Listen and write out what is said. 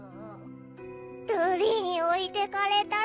瑠璃に置いてかれたさ。